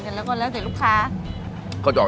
คนที่มาทานอย่างเงี้ยควรจะมาทานแบบคนเดียวนะครับ